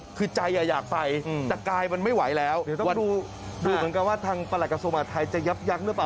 ท่านอ่ะคือใจอ่ะอยากไปแต่มันไม่ไหวแล้วต้องดูเหมือนกันว่าทางประหลักศูนย์อเมียไทยจะยับยังหรือเปล่า